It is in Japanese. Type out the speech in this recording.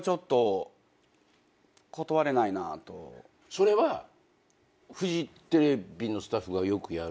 それはフジテレビのスタッフがよくやる。